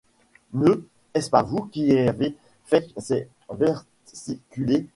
Ne est-ce pas vous qui avez faict ces versiculets ?